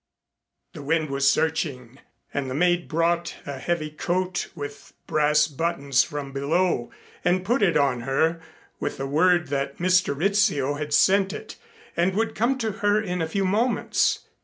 The wind was searching and the maid brought a heavy coat with brass buttons from below and put it on her with the word that Mr. Rizzio had sent it and would come to her in a few moments.